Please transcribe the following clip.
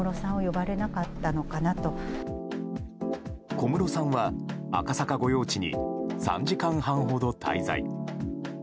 小室さんは、赤坂御用地に３時間半ほど滞在。